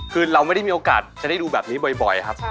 คือเราไม่ได้มีโอกาสจะได้ดูแบบนี้บ่อยครับ